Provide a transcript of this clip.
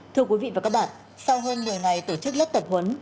thưa quý vị và các bạn sau hơn một mươi ngày tổ chức lớp tập huấn